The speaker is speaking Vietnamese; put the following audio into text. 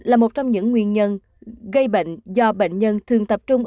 là một trong những nguyên nhân gây bệnh do bệnh nhân thường tập trung